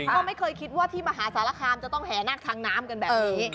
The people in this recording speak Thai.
ก็ไม่เคยคิดว่าที่มหาสารคามจะต้องแห่นาคทางน้ำกันแบบนี้